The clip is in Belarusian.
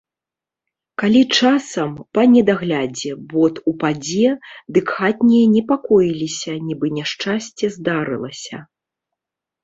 Калі часам, па недаглядзе, бот упадзе, дык хатнія непакоіліся, нібы няшчасце здарылася.